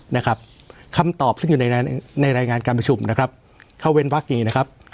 นะครับคำตอบซึ่งอยู่ในในรายงานการประชุมนะครับเข้าเว้นวักอย่างนี้นะครับ